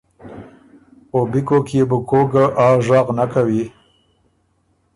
او بی کوک يې بو کوک ګۀ آ ژغ نک کَوی